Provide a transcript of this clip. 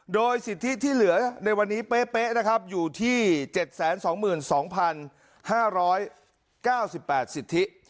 โดยสิทธิที่เหลือในวันนี้เป๊ะนะครับอยู่ที่๗๒๒๕๙๘สิทธิ